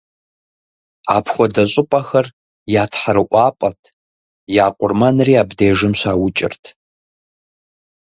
Апхуэдэ щӀыпӀэхэр я тхьэрыӀуапӀэт, я къурмэнри абдежым щаукӀырт.